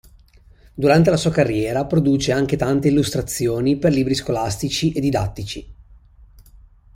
Durante la sua carriera produce anche tante illustrazioni per libri scolastici e didattici.